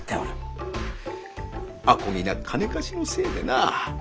あこぎな金貸しのせいでな。